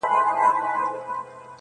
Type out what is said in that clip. خاموسي تر ټولو قوي ځواب دی,